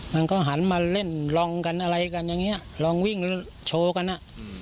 มันก็หันมาเล่นลองกันอะไรกันอย่างนี้ลองวิ่งโชว์กันอ่ะ